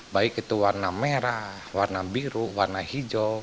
baik itu warna merah warna biru warna hijau